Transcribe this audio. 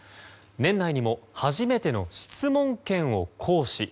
年内にも初めての質問権を行使。